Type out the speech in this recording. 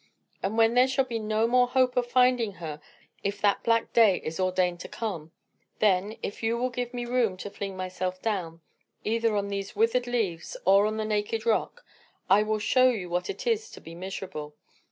And when there shall be no more hope of finding her (if that black day is ordained to come), then, if you will give me room to fling myself down, either on these withered leaves or on the naked rock, I will show you what it is to be miserable.